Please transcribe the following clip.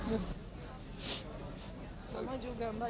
mama juga mbak